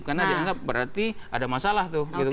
karena dianggap berarti ada masalah